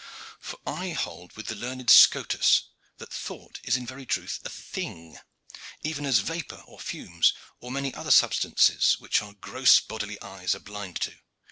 For I hold with the learned Scotus that thought is in very truth a thing, even as vapor or fumes, or many other substances which our gross bodily eyes are blind to.